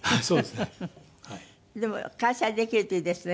でも開催できるといいですね。